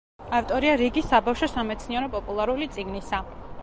ავტორია რიგი საბავშვო სამეცნიერო-პოპულარული წიგნისა.